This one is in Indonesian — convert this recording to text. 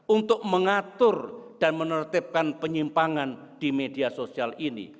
untuk mengatur dan menertibkan penyimpangan di media sosial ini